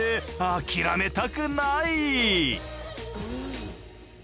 諦めたくない。